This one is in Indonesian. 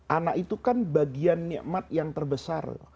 anak itu kan bagian nikmat yang terbesar